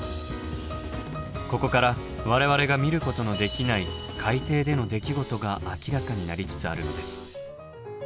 ここから我々が見ることのできない海底での出来事が明らかになりつつあるのです。